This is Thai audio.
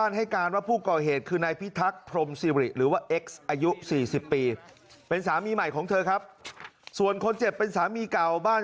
แล้วมันก็ใส่รูปอิงตรงหน้าบ้าน